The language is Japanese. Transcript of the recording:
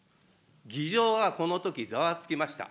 議場はこのとき、ざわつきました。